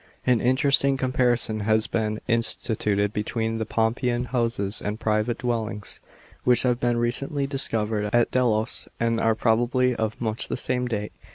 * An interesting comparison has been instituted between the Pompeian houses and private dwellings which have been recently discovered at Delos, and are probably of much the same date.